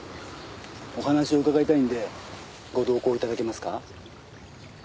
お話を伺いたいのでご同行頂けますか？